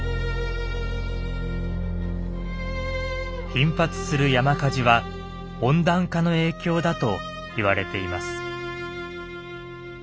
頻発する山火事は温暖化の影響だといわれています。